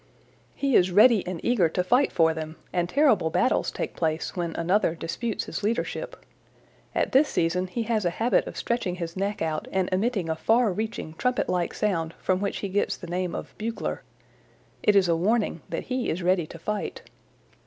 He is ready and eager to fight for them, and terrible battles take place when another disputes his leadership. At this season he has a habit of stretching his neck out and emitting a far reaching trumpet like sound from which he gets the name of Bugler. It is a warning that he is ready to fight.